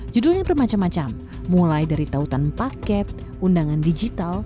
judulnya bermacam macam mulai dari tautan paket undangan digital